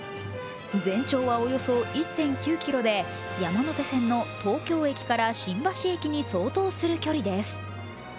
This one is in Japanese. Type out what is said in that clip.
全長はおよそ１．９ｋｍで山手線から東京駅から新橋駅に相当する距離です。